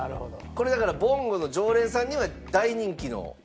これだからぼんごの常連さんには大人気のひと品。